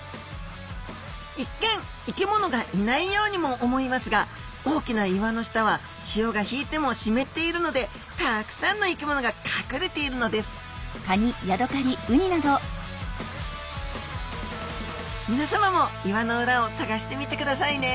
一見生き物がいないようにも思いますが大きな岩の下は潮が引いても湿っているのでたくさんの生き物が隠れているのですみなさまも岩の裏を探してみてくださいね